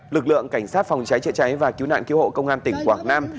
lực lượng cảnh sát phòng cháy chữa cháy và cứu nạn cứu hộ công an tỉnh quảng nam